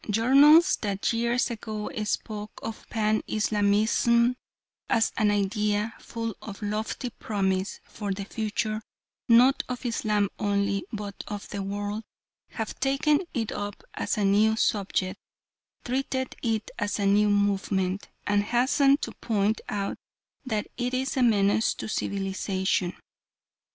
Journals that years ago spoke of Pan Islamism as an idea full of lofty promise for the future, not of Islam only but of the world, have taken it up as a new subject, treated it as a new movement, and hastened to point out that it is a menace to civilisation.